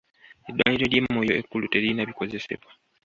Eddwaliro ly'e Moyo ekkulu teririna bikozesebwa.